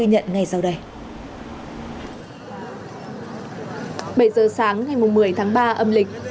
bảy giờ sáng ngày một mươi tháng ba âm lịch